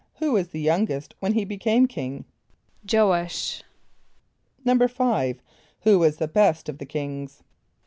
= Who was the youngest when he became king? =J[=o]´[)a]sh.= =5.= Who was the best of the kings?